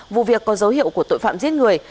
vụ việc có dấu hiệu của tội phạm giết người